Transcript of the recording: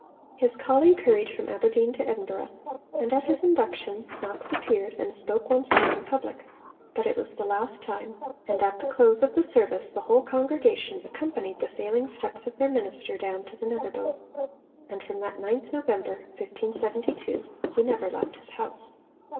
His colleague hurried from Aberdeen to Edinburgh, and at his induction Knox appeared and spoke once more in public. But it was the last time, and at the close of the service the whole congregation accompanied the failing steps of their minister down to the Netherbow. And from that 9th November 1572 he never left his house.